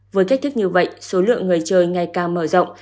với cách thức như vậy số lượng người chơi ngày càng mở rộng